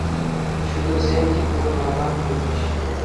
Ҫутӑсем те курӑнакан пулчӗҫ.